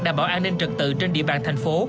đảm bảo an ninh trực tự trên địa bàn thành phố